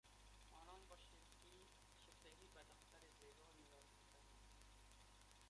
آنان با شیفتگی به دختر زیبا نگاه میکردند.